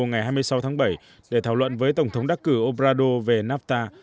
ngày hai mươi sáu tháng bảy để thảo luận với tổng thống đắc cử obrador về nafta